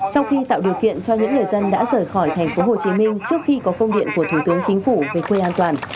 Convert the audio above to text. sau khi tạo điều kiện cho những người dân đã rời khỏi thành phố hồ chí minh trước khi có công điện của thủ tướng chính phủ về quê an toàn